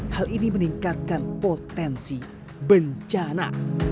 hal ini meningkatkan potensi bencana